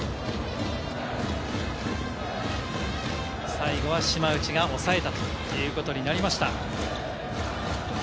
最後は島内がおさえたということになりました。